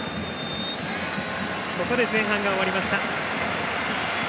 ここで前半が終わりました。